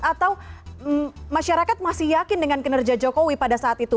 atau masyarakat masih yakin dengan kinerja jokowi pada saat itu